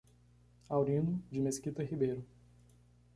Aurino de Mesquita Ribeiro